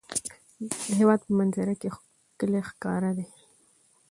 د هېواد په منظره کې کلي ښکاره دي.